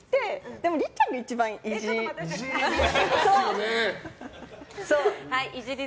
でもりっちゃんが一番イジる。